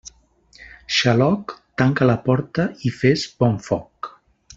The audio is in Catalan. Xaloc, tanca la porta i fes bon foc.